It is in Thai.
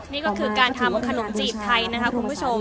นี่ก็คือการทำขนมจีบไทยนะคะคุณผู้ชม